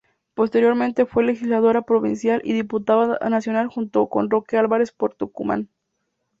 Posteriormente fue Legisladora Provincial y Diputada Nacional junto con Roque Álvarez por Tucumán.